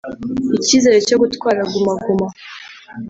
Icyizere cyo gutwara Guma Guma